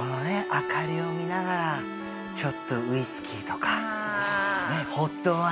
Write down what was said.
明かりを見ながらちょっとウイスキーとかねっホットワインとか女子は。